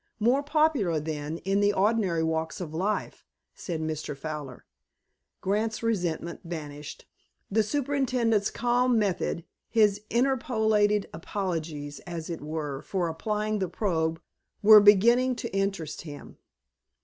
more popular than, in the ordinary walks of life," said Mr. Fowler. Grant's resentment vanished. The superintendent's calm method, his interpolated apologies, as it were, for applying the probe, were beginning to interest him.